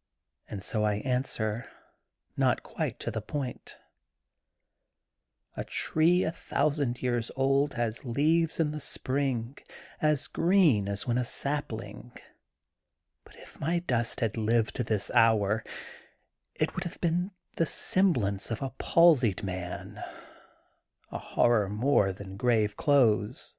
*' And so I answer, not quite to the point: "A tree a thousand years old has leaves in the spring, as green as when a sapling. But if my dust had lived to this hour, it would have been the semblance of a palsied man, a horror more than grave clothes.